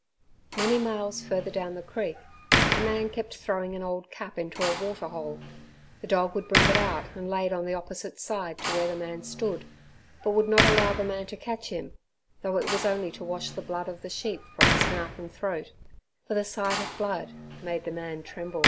Many miles further down the creek a man kept throwing an old cap into a waterhole the dog would bring it out and lay it on the opposite side to where the man stood, but would not allow the man to catch him, though it was only to wash the blood of the sheep from his mouth and throat, for the sight of blood made the man tremble.